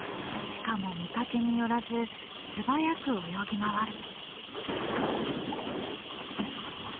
しかも見かけによらず素早く泳ぎ回る。